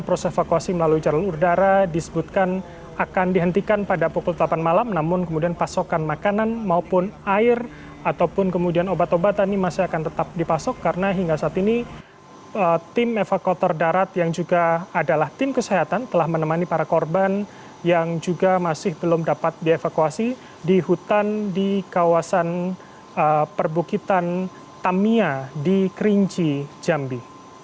proses evakuasi melalui jalur udara disebutkan akan dihentikan pada pukul delapan malam namun kemudian pasokan makanan maupun air ataupun kemudian obat obatan ini masih akan tetap dipasok karena hingga saat ini tim evakuator darat yang juga adalah tim kesehatan telah menemani para korban yang juga masih belum dapat dievakuasi di hutan di kawasan perbukitan tamiya di kerinci jambi